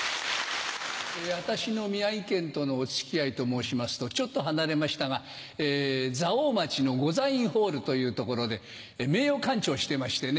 私の宮城県とのお付き合いと申しますとちょっと離れましたが蔵王町のございんホールという所で名誉館長をしてましてね。